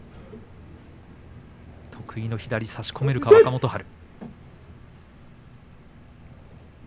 得意の左を差し込めるか若元春。